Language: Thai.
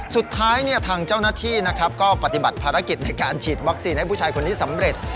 สุดท้ายทางเจ้าหน้าที่นะครับก็ปฏิบัติภารกิจในการฉีดวัคซีนให้ผู้ชายคนนี้สำเร็จ